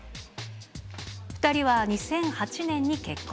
２人は２００８年に結婚。